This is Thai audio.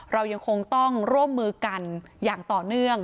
เรายังคงต้องร่วมมือกันอย่างต่อเนื่อง